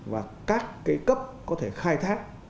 và các cái cấp có thể khai thác